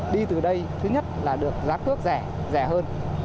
đi từ đây thứ nhất là được giá cước rẻ rẻ hơn